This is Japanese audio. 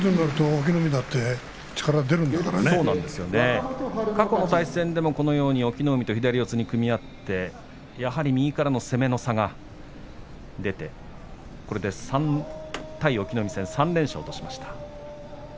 隠岐の海だって過去の対戦でも隠岐の海と左四つに組み合ってやはり右からの攻めの差が出てこれで対隠岐の海戦３連勝としました。